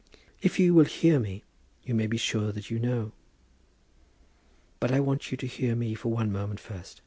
"If you will hear me, you may be sure that you know." "But I want you to hear me for one moment first.